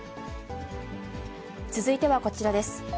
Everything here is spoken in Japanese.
続いてはこちらです。